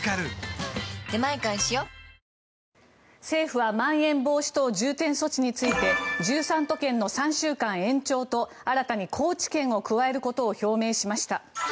政府はまん延防止等重点措置について１３都県の３週間延長と新たに高知県を加えることを表明しました。